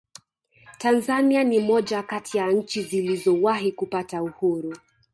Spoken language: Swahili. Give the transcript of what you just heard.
tanzania ni moja kati ya nchi zilizowahi kupata uhuru